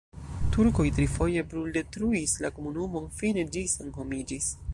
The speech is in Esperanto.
La turkoj trifoje bruldetruis la komunumon, fine ĝi senhomiĝis.